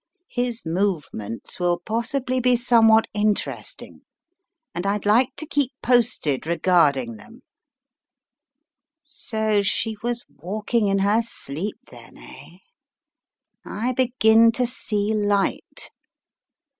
His move ments will possibly be somewhat interesting, and I'd like to keep posted regarding them So she was walking in her sleep then, eh? I begin to see light."